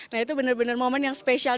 nah itu benar benar momen yang spesial